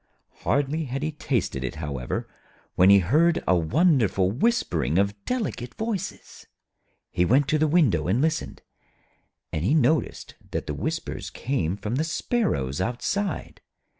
Hardly had he tasted it, however, when he heard a wonderful whispering of delicate voices. He went to the window and listened, and he noticed that the whispers came from the sparrows outside.